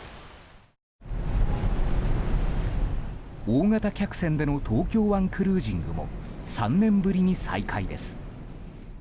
大型客船での東京湾クルージングも３年ぶりに再開です。